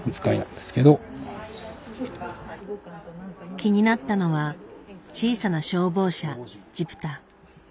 気になったのは「小さな消防車じぷた」。